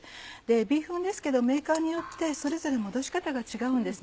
ビーフンですけどメーカーによってそれぞれ戻し方が違うんです。